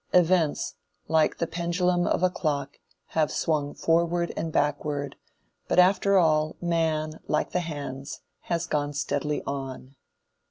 Events, like the pendulum of a clock have swung forward and backward, but after all, man, like the hands, has gone steadily on.